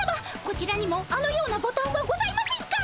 こちらにもあのようなボタンはございませんか？